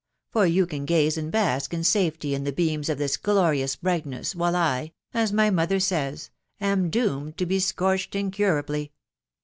.... for you can gaze and bask in safety in the beams of this glorious brightness, while I, as my mother says, am doomed to be scorched incurably